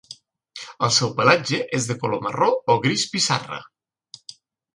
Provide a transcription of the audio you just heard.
El seu pelatge és de color marró o gris pissarra.